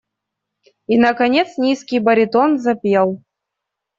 И наконец низкий баритон запел.